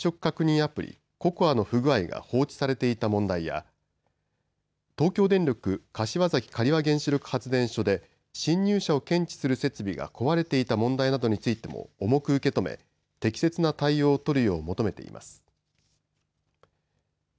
アプリ、ＣＯＣＯＡの不具合が放置されていた問題や東京電力柏崎刈羽原子力発電所で侵入者を検知する設備が壊れていた問題などについても重く受け止め適切な対応を取るよう求めています。